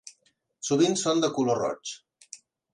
Sovint són de color roig.